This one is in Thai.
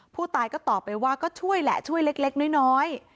ผู้ตายก็ตอบไปว่าก็ช่วยแหละช่วยเล็กน้อย